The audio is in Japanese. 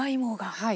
はい。